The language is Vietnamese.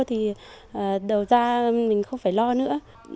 thì đầu ra mình không phải lo nữa